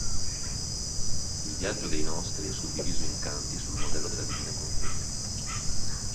Il viaggio dei nostri è suddiviso in Canti sul modello della "Divina Commedia".